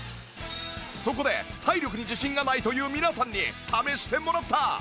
そこで体力に自信がないという皆さんに試してもらった！